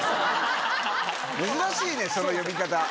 珍しいねその呼び方。